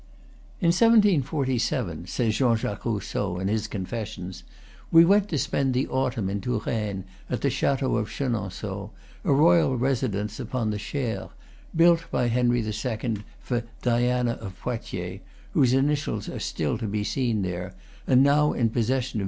"In 1747," says Jean Jacques Rousseau, in his "Confessions," "we went to spend the autumn in Tou raine, at the Chateau, of Chenonceaux, a royal resi dence upon the Cher, built by Henry II. for Diana of Poitiers, whose initials are still to be seen there, and now in possession of M.